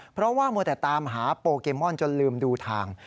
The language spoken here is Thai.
เพราะว่ามัวแต่ตามหาโปเกมอนจนลืมดูทาง